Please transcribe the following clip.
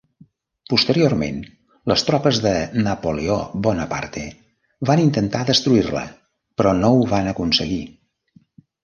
Posteriorment, les tropes de Napoleó Bonaparte van intentar destruir-la, però no ho van aconseguir.